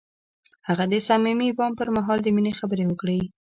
هغه د صمیمي بام پر مهال د مینې خبرې وکړې.